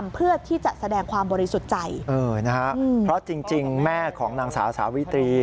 เพราะจริงแม่ของนางสาสาวิตรี